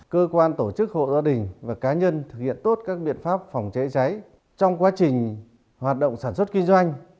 cơ quan tổ chức hộ gia đình và cá nhân thực hiện tốt các biện pháp phòng cháy cháy trong quá trình hoạt động sản xuất kinh doanh